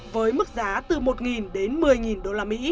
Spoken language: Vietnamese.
với mức giá từ một đến một mươi usd